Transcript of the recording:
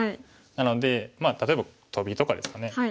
なので例えばトビとかですかね。